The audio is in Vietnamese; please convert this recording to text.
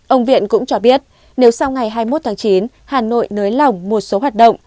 ông viện cũng cho biết nếu sau ngày hai mươi một tháng chín hà nội nới lỏng một số hoạt động